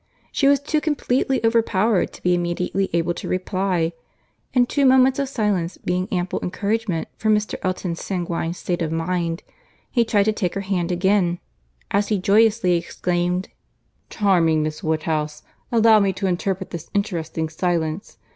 She was too completely overpowered to be immediately able to reply: and two moments of silence being ample encouragement for Mr. Elton's sanguine state of mind, he tried to take her hand again, as he joyously exclaimed— "Charming Miss Woodhouse! allow me to interpret this interesting silence.